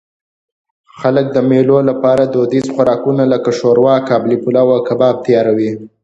خلک د مېلو له پاره دودیز خوراکونه؛ لکه ښوروا، قابلي پلو، او کباب تیاروي.